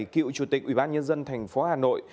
cựu chủ tịch ủy ban nhân dân tp hà nội